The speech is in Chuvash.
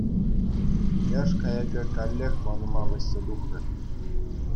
Пилеш кайӑкӗ каллех ман ума вӗҫсе тухрӗ.